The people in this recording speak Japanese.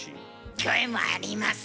キョエもあります。